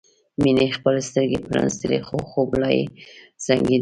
مينې خپلې سترګې پرانيستلې خو خوب یې لا هم زنګېده